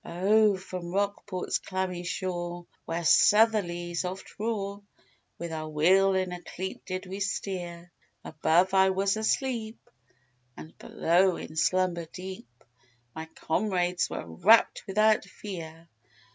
"Oh, from Rockport's clammy shore, where southerlies oft roar With our wheel in a cleat did we steer. Above I was asleep and below in slumber deep, My comrades were wrapped without fear."